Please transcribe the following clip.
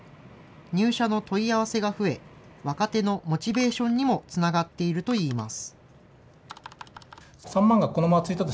入社の問い合わせが増え、若手のモチベーションにもつながっているといいます。